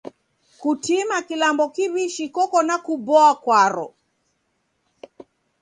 Kutima kilambo kiw'ishi koko na kuboa kwaro.